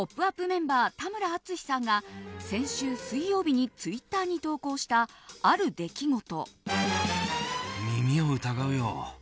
メンバー田村淳さんが先週水曜日にツイッターに投稿した、ある出来事。